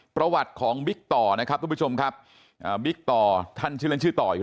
ประวัติของบิ๊กต่อนะครับทุกผู้ชมครับบิ๊กต่อท่านชื่อเล่นชื่อต่ออยู่